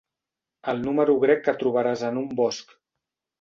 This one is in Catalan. El número grec que trobaràs en un bosc.